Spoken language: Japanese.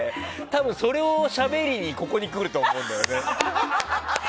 多分それをしゃべりにここに来ると思うんだよね。